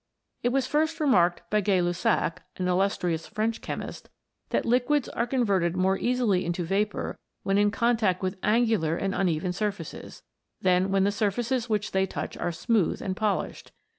It was first remarked by Gay Lussac, an illus trious French chemist, that liquids are converted more easily into vapour when in contact with angular and uneven surfaces, than when the sur faces which they touch are smooth and polished.